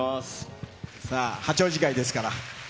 さあ、八王子会ですから。